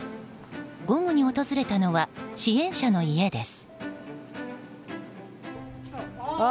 午後に訪れたのは支援者の家です。